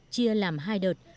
chia làm hai đợt